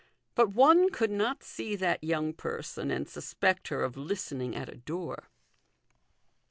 But one could not see that young person and suspect her of listening at a door.